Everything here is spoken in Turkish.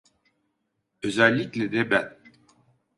Özellikle de ben.